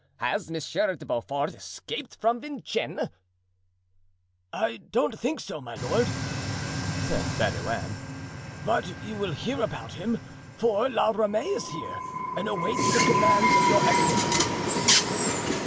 Has Monsieur de Beaufort escaped from Vincennes?" "I do not think so, my lord," said Bernouin; "but you will hear about him, for La Ramee is here and awaits the commands of your eminence."